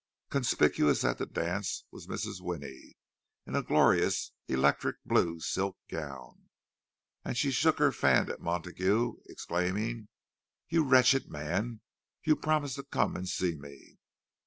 Conspicuous at the dance was Mrs. Winnie, in a glorious electric blue silk gown. And she shook her fan at Montague, exclaiming, "You wretched man—you promised to come and see me!"